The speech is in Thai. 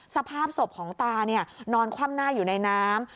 สภาพศพของตานอนคว่ำหน้าอยู่ในน้ำ